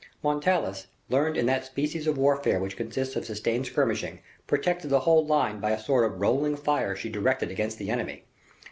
Montalais, learned in that species of warfare which consists of sustained skirmishing, protected the whole line by a sort of rolling fire she directed against the enemy.